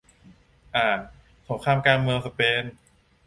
อ่าน สงครามกลางเมืองสเปน